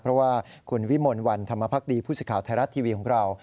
เพราะว่าคุณวิมลวันธรรมภักดีผู้สิทธิ์ไทยรัฐทีวีของเรา